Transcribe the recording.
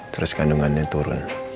terus kandungannya turun